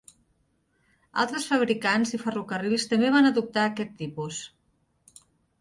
Altres fabricants i ferrocarrils també van adoptar aquest tipus.